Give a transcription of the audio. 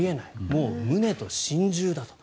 もうムネと心中だと。